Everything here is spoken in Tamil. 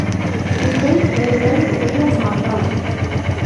உங்கள் இலைகள் உதிரமாட்டா!